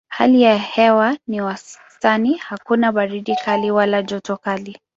Hali ya hewa ni ya wastani: hakuna baridi kali wala joto kali.